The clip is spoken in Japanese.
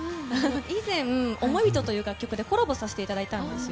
以前、「想い人」という楽曲でコラボさせていただいたんですよ。